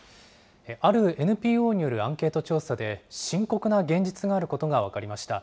あるＮＰＯによるアンケート調査で、深刻な現実があることが分かりました。